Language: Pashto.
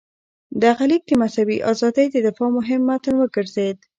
دغه لیک د مذهبي ازادۍ د دفاع مهم متن وګرځېد.